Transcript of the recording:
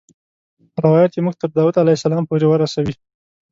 روایت یې موږ تر داود علیه السلام پورې ورسوي.